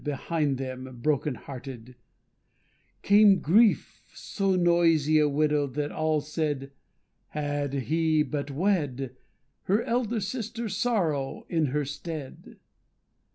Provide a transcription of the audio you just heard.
Behind them, broken hearted, Came Grief, so noisy a widow, that all said, "Had he but wed Her elder sister Sorrow, in her stead!"